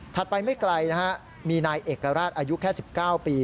ถัดไปไม่ไกลมีนายเอกราชอายุแค่๑๙ปี